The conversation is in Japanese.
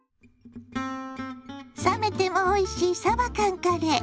冷めてもおいしいさば缶カレー。